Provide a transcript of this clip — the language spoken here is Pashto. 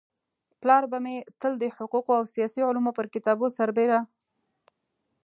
پلار به مي تل د حقوقو او سياسي علومو پر كتابو سربيره د